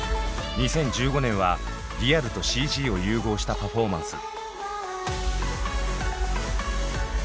２０１５年はリアルとＣＧを融合したパフォーマンス。